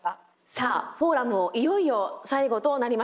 さあフォーラムもいよいよ最後となりました。